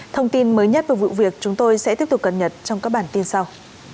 thông tin mới nhất về vụ việc chúng tôi sẽ tiếp tục cập nhật trong các bản tin sau